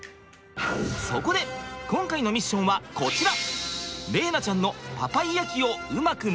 そこで今回のミッションはこちら！